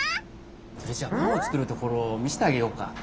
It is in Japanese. それじゃあパンを作るところを見せてあげようか。